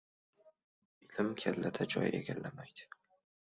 • Ilm kallada joy egallamaydi.